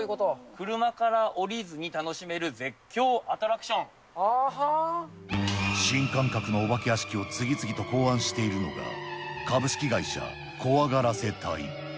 車から降りずに楽しめる絶叫新感覚のお化け屋敷を次々と考案しているのが、株式会社怖がらせ隊。